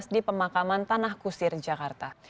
di pemakaman tanah kusir jakarta